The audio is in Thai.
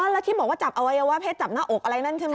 แล้วที่บอกว่าจับอวัยวะเพศจับหน้าอกอะไรนั่นใช่ไหม